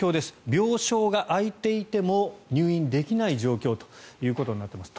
病床が空いていても入院できない状況となっています。